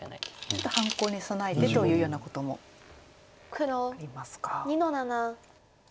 ちょっと半コウに備えてというようなこともありますか。